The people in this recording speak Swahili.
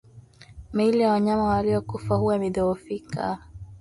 Miili ya wanyama waliokufa huwa imedhoofika